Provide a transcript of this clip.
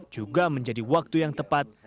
juga menjadi waktu yang tepat